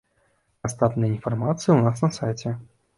Астатняя інфармацыя ў нас на сайце.